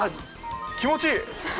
気持ちいい！